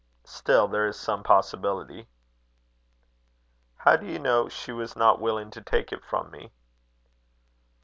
Still, there is some possibility." "How do you know she was not willing to take it from me?"